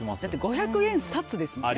５００円札でしたもんね。